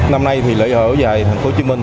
năm nay thì lễ hội áo dài thành phố hồ chí minh